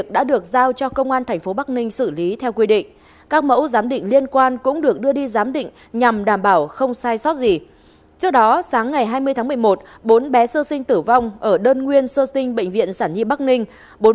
trước đó sáng ngày hai mươi tháng một mươi một bốn bé sơ sinh tử vong ở đơn nguyên sơ sinh bệnh viện sản nhi bắc ninh